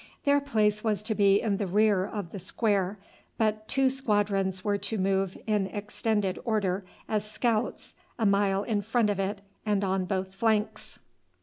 Their place was to be in the rear of the square, but two squadrons were to move in extended order as scouts a mile in front of it and on both flanks.